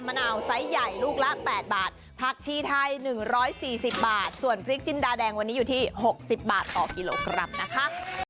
มะนาวไซส์ใหญ่ลูกละแปดบาทผักชีไทยหนึ่งร้อยสี่สิบบาทส่วนคลิกจินดาแดงวันนี้อยู่ที่หกสิบบาทต่อกิโลกรัมนะคะ